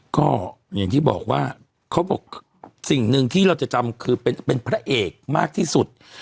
ก็อย่างที่บอกว่าเขาบอกสิ่งหนึ่งที่เราจะจำคือเป็นพระเอกมากที่สุด